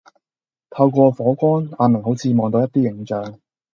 透過火光阿明好似望到一啲影像